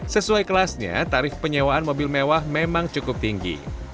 sesuai kelasnya tarif penyewaan mobil mewah memang cukup tinggi